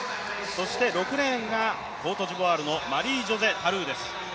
そして６レーンがコートジボワールのマリージョセ・タルーです。